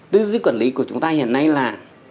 tư duy quản lý của chúng ta hiện nay là